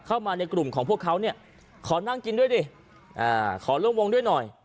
เข้ามาในกลุ่มของพวกเขาเนี่ยขอนั่งกินด้วยดิขอร่วมวงด้วยหน่อย